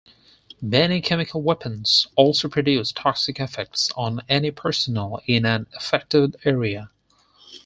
Many chemical weapons also produce toxic effects on any personnel in an affected area.